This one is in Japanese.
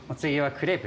クレープ？